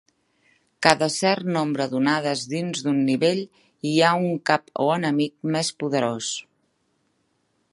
Cada cert nombre d'onades dins d'un nivell hi ha un cap o enemic més poderós.